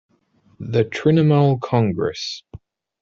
The Trinomul Congress.